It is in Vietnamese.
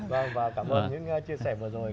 và cảm ơn những chia sẻ vừa rồi